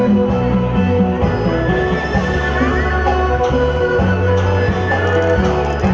สวัสดี